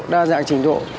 đa dạng trình độ